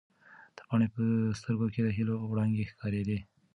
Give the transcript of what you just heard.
د پاڼې په سترګو کې د هیلو وړانګې ښکارېدې.